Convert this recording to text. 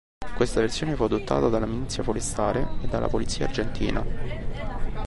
Questa versione fu adottata dalla Milizia Forestale e dalla polizia argentina.